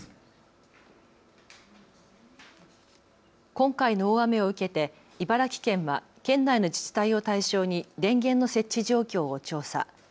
今回の大雨を受けて茨城県は県内の自治体を対象に電源の設置状況を調査。